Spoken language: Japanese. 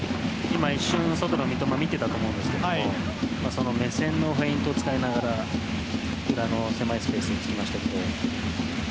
今一瞬、外の三笘を見ていたと思うんですけどその目線のフェイントを使って今、狭いスペース突きました。